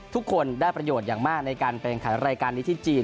ทุกคนได้ประโยชน์อย่างมากในการไปขายรายการนี้ที่จีน